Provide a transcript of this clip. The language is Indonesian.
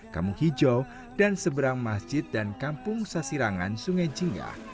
kampung hijau dan seberang masjid dan kampung sasirangan sungai jingah